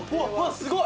すごい！